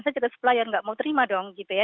saya cerita supplier nggak mau terima dong gitu ya